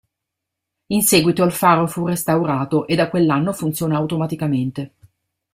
In seguito il faro fu restaurato e da quell'anno funziona automaticamente.